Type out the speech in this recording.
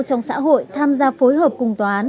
trong xã hội tham gia phối hợp cùng tòa án